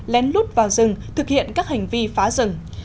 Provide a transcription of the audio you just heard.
lén lút vào rừng thực hiện các hành vi phá rừng